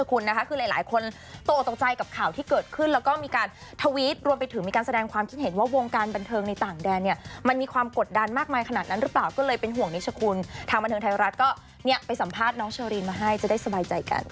มันแบบเพียงรู้สึกว่าแบบพี่น่าจะไม่มีปัญหาเรื่องนี้อะไรเงี้ย